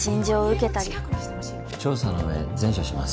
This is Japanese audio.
調査の上善処します。